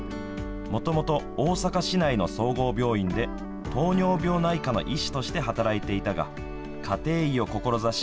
もともと大阪市内の総合病院で糖尿病内科の医師として働いていたが家庭医を志し